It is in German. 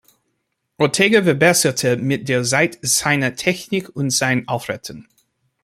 Ortega verbesserte mit der Zeit seine Technik und sein Auftreten.